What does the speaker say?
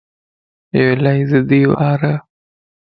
ايو الائي ضدي ٻارَ